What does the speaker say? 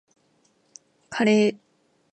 カレー